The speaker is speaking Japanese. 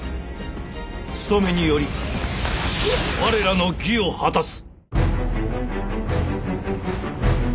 つとめにより我らの義を果たす。